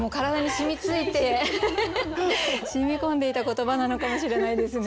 染み込んでいた言葉なのかもしれないですね。